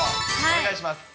お願いします。